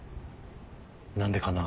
何でかな。